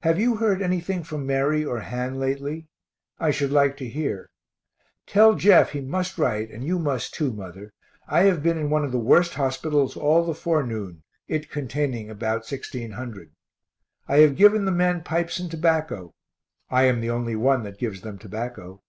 Have you heard anything from Mary or Han lately? I should like to hear. Tell Jeff he must write, and you must, too, mother. I have been in one of the worst hospitals all the forenoon, it containing about 1600. I have given the men pipes and tobacco. (I am the only one that gives them tobacco.)